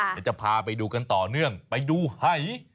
เดี๋ยวจะพาไปดูกันต่อเนื่องไปดูหาย